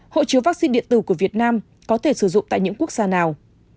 hộ chiếu vaccine điện tử của việt nam có thể sử dụng tại những quốc gia nào